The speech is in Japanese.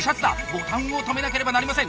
ボタンを留めなければなりません。